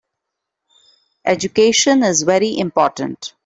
Education is very important.